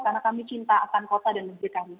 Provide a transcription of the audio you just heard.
karena kami cinta akan kota dan negeri kami